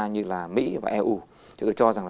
như mỹ và eu chúng tôi cho rằng